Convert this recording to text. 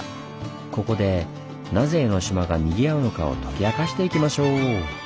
ここでなぜ江の島が賑わうのかを解き明かしていきましょう！